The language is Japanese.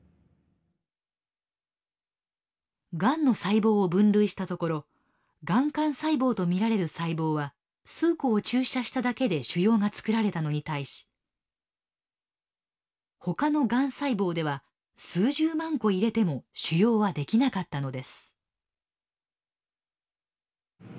がんの細胞を分類したところがん幹細胞と見られる細胞は数個を注射しただけで腫瘍がつくられたのに対しほかのがん細胞では数十万個入れても腫瘍は出来なかったのです。